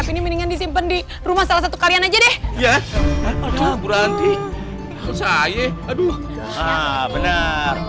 pilih disimpan di rumah salah satu kalian aja deh ya aduh berhenti saya aduh bener